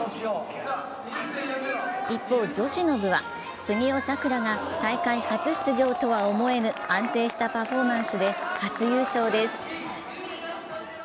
一方、女子の部は杉尾咲空が大会初出場とは思えぬ安定したパフォーマンスで初優勝です。